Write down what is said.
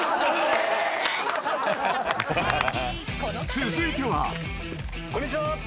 ［続いては］こんにちは。